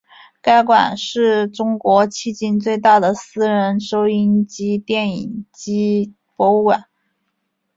该馆是是中国迄今最大的私人收音机电影机博物馆。